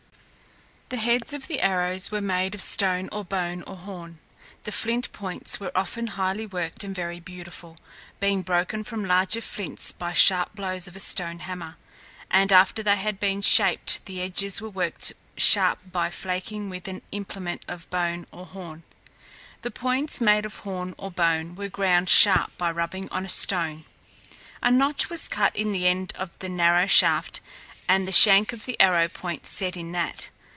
The heads of the arrows were made of stone or bone or horn. The flint points were often highly worked and very beautiful, being broken from larger flints by sharp blows of a stone hammer, and after they had been shaped the edges were worked sharp by flaking with an implement of bone or horn. The points made of horn or bone were ground sharp by rubbing on a stone. A notch was cut in the end of the arrow shaft and the shank of the arrow point set in that.